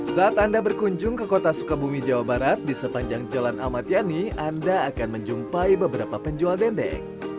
saat anda berkunjung ke kota sukabumi jawa barat di sepanjang jalan ahmad yani anda akan menjumpai beberapa penjual dendeng